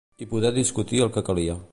I poder discutir el que calia.